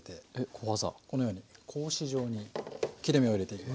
このように格子状に切れ目を入れていきます。